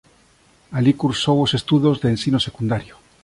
Alí cursou os estudos de ensino secundario.